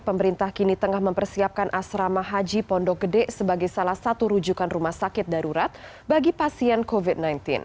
pemerintah kini tengah mempersiapkan asrama haji pondok gede sebagai salah satu rujukan rumah sakit darurat bagi pasien covid sembilan belas